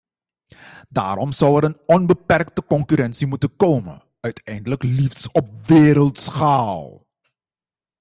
Daarom zou er een onbeperkte concurrentie moeten komen, uiteindelijk liefst op wereldschaal.